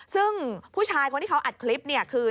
ซึ่งผู้ชายคนที่เขาอัดคลิปเนี่ยคือ